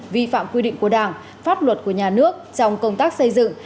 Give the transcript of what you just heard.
vi phạm quy định của đảng pháp luật của nhà nước trong công tác xây dựng